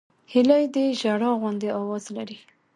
هیلۍ د ژړا غوندې آواز لري